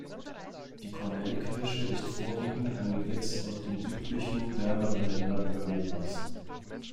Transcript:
Die Kornelkirsche ist vorwiegend ein Gewächs aus den südlichen, wärmeren Ländern Europas.